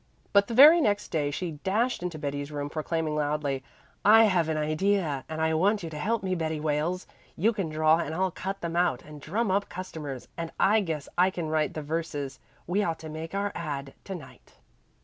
But the very next day she dashed into Betty's room proclaiming loudly, "I have an idea, and I want you to help me, Betty Wales. You can draw and I'll cut them out and drum up customers, and I guess I can write the verses. We ought to make our ad. to night."